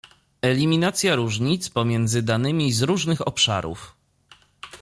Eliminacja różnic pomiędzy danymi z różnych obszarów